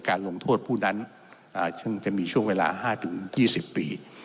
การลงโทษผู้นั้นจะมีช่วงเวลา๕ถึง๒๐ปี